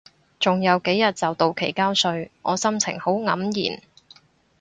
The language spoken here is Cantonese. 仲有幾日就到期交稅，我心情好黯然